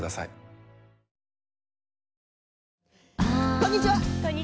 こんにちは。